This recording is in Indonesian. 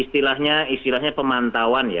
istilahnya istilahnya pemantauan ya